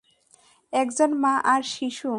একজন মা আর শিশু!